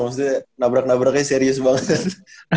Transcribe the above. maksudnya nabrak nabraknya serius banget